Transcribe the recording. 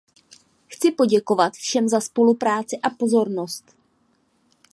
Chci poděkovat všem za spolupráci a pozornost.